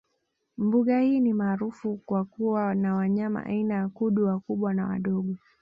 Mbuga hii ni maarufu kwa kuwa na wanyama aina ya Kudu wakubwa na wadogo